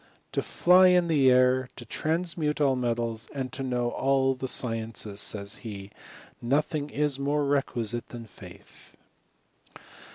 " To fly in the air, to transmute metals, and to know all the sciences," says he, " nothing more is requisite. . than faith."